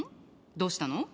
どうしたの？